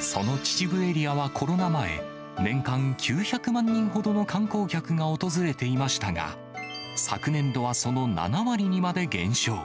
その秩父エリアはコロナ前、年間９００万人ほどの観光客が訪れていましたが、昨年度はその７割にまで減少。